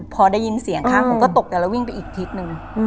พอได้ยินเสียงข้างผมก็ตกใจแล้ววิ่งไปอีกทิศนึง